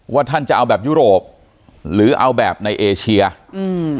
ท่านจะเอาแบบยุโรปหรือเอาแบบในเอเชียอืม